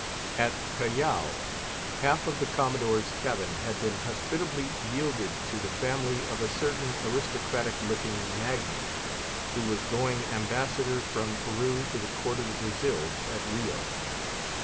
At Callao, half of the Commodore's cabin had been hospitably yielded to the family of a certain aristocratic looking magnate, who was going ambassador from Peru to the Court of the Brazils, at Rio.